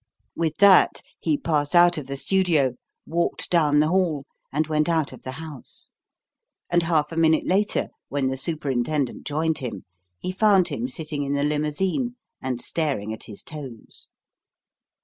With that, he passed out of the studio, walked down the hall, and went out of the house. And half a minute later, when the superintendent joined him, he found him sitting in the limousine and staring at his toes.